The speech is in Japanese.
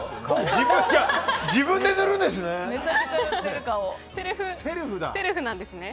自分で塗るんですね。